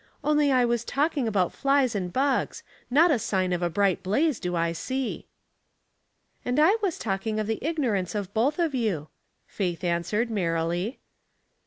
" Only I was talking about flies and bugs — not a sign of a bright blaze do I see." " And I was talking of the ignorance of both of you," Faith answered, merrily.